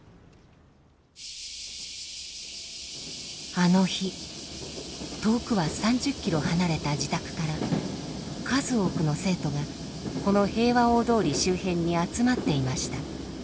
あの日遠くは３０ｋｍ離れた自宅から数多くの生徒がこの平和大通り周辺に集まっていました。